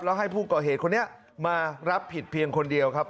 แล้วให้ผู้ก่อเหตุคนนี้มารับผิดเพียงคนเดียวครับ